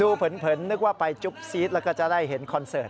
เผินนึกว่าไปจุ๊บซีดแล้วก็จะได้เห็นคอนเสิร์ต